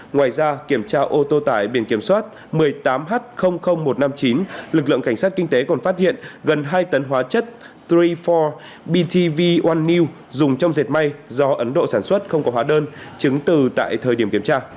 ngoài ra kiểm tra ô tô tại biển kiểm soát một mươi tám h một trăm năm mươi chín lực lượng cảnh sát kinh tế còn phát hiện gần hai tấn hóa chất ba mươi bốn btv một new dùng trong dệt may do ấn độ sản xuất không có hóa đơn chứng tử tại thời điểm kiểm tra